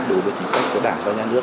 đối với chính sách của đảng và nhà nước